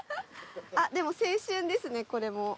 あっでも青春ですねこれも。